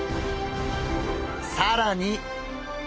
さらに！